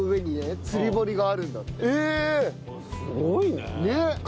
すごいね。